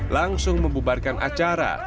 langsung membubarkan acara